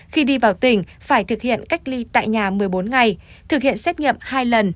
khi đi vào tỉnh phải thực hiện cách ly tại nhà một mươi bốn ngày thực hiện xét nghiệm hai lần